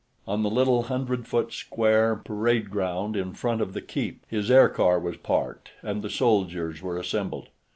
On the little hundred foot square parade ground in front of the keep, his aircar was parked, and the soldiers were assembled.